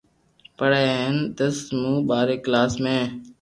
پڙي ھي ھين دس مون ٻاري ڪلاس ۾